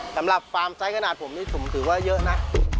สำหรับฟาร์มไซส์ขนาดผมนี่ผมถือว่าเยอะนะ